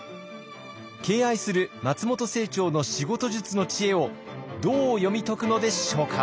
敬愛する松本清張の仕事術の知恵をどう読み解くのでしょうか。